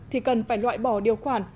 thì cần phải loại bỏ điều khoản